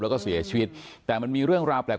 แล้วก็เสียชีวิตแต่มันมีเรื่องราวแปลก